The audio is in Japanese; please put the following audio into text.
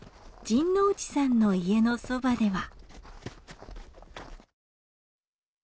陣内さんの家のそばでは。